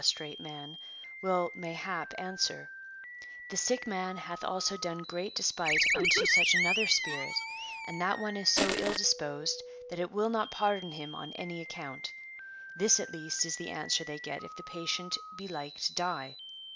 trate man will (mayha))) answer :" The sick man hath also done great despite unto such another spirit, and that one is so ill disposed that it will not })ardon him on any account ;"— this at least is the answer they get if the patient be like to die.